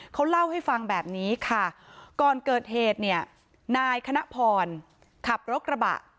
เขาเล่าให้ฟังแบบนี้ค่ะก่อนเกิดเหตุเนี่ยนายคณะพรขับรถกระบะ